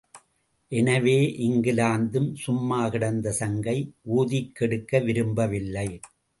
எனவே இங்கிலாந்தும் சும்மாகிடந்த சங்கை ஊதிக்கெடுக்க விரும்பவில்லை.